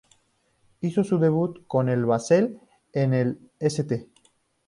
Hizo su debut con el Basel en el St.